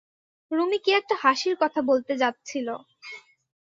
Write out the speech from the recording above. রুমী কী একটা হাসির কথা বলতে যাচ্ছিল।